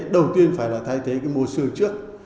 đầu tiên phải thay thế mô xương trước